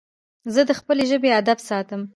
زه د خپلي ژبي ادب ساتم.